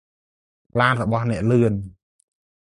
ឡានរបស់អ្នកលឿន។